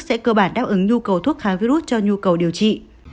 sẽ cơ bản đáp ứng nhu cầu thuốc kháng virus cho nhu cầu điều trị